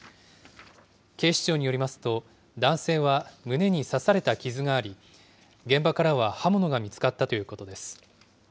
警視庁によりますと、男性は胸に刺された傷があり、現場からは刃物が見つかったということです。